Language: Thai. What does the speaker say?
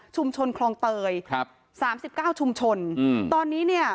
ชุมชนคลองเตย๓๙ชุมชนตอนนี้เนี่ย